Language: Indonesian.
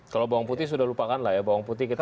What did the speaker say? kalau bawang putih sudah lupakan lah ya bawang putih kita